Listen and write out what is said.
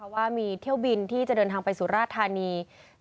ว่ามีเที่ยวบินที่จะเดินทางไปสุราธานี